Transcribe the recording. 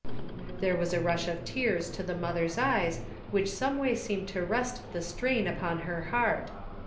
There was a rush of tears to the mother's 202 CONFLICTING ADVICE. eyes which some way seemed to rest the strain upon her heart.